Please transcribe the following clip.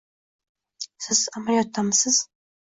Siz amaliyotdasizmi?